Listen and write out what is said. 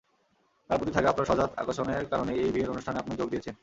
তার প্রতি থাকা আপনার সহজাত আকর্ষণের কারণেই এই বিয়ের অনুষ্ঠানে আপনি যোগ দিয়েছেন।